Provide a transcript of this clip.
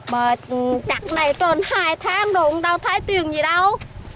mà chặt này trốn hai tháng rồi cũng đâu thấy tiền gì đâu